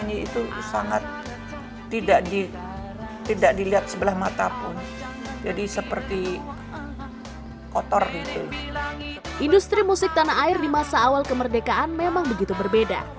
industri musik tanah air di masa awal kemerdekaan memang begitu berbeda